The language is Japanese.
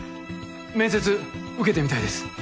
面接受けてみたいです。